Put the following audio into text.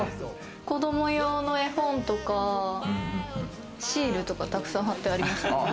子供用の絵本とか、シールとか沢山貼ってあります。